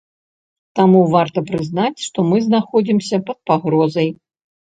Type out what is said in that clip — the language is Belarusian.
Таму варта прызнаць, што мы знаходзімся пад пагрозай.